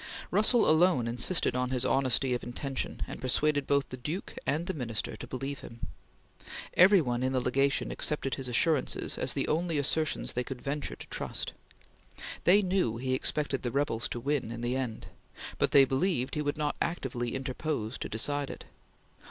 Russell alone insisted on his honesty of intention and persuaded both the Duke and the Minister to believe him. Every one in the Legation accepted his assurances as the only assertions they could venture to trust. They knew he expected the rebels to win in the end, but they believed he would not actively interpose to decide it.